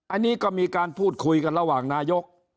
อันนี้ก็มีการพูดคุยกันระหว่างนายก